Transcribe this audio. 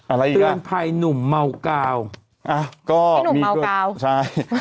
อะไรอีกล่ะอ่ะก็มีคุณใช่